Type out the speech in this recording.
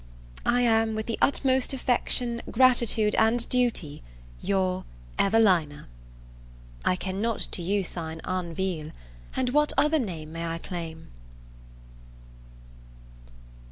I am, with the utmost affection, gratitude, and duty, your EVELINA I cannot to you sign ANVILLE, and what other name may I claim?